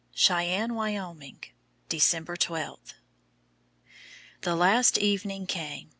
CHEYENNE, WYOMING, December 12. The last evening came.